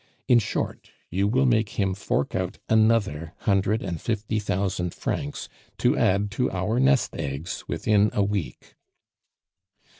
In short, you will make him fork out another hundred and fifty thousand francs to add to our nest eggs within a week."